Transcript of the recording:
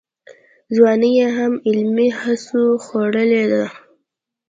ځواني یې هم علمي هڅو خوړلې ده.